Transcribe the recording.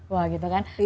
wah gitu kan